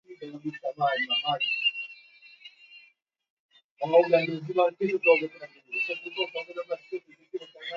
tena wana asili ya India au nchi nyingine za Asia Waafrika ni